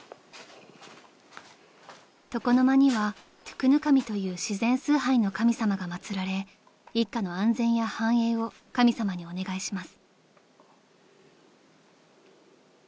［床の間には床の神という自然崇拝の神様が祭られ一家の安全や繁栄を神様にお願いします］